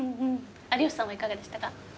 有吉さんはいかがでしたか？